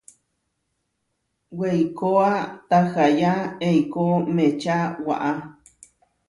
Weikóa tahayá eikó meča waá.